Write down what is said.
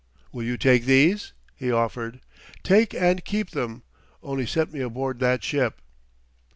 "Will you take these?" he offered. "Take and keep them only set me aboard that ship!"